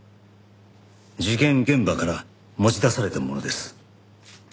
事件現場から持ち出されたものです。